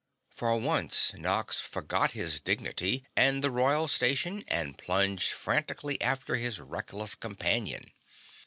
For once, Nox forgot his dignity and Royal station and plunged frantically after his reckless companion.